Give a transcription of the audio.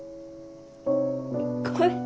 ごめんね。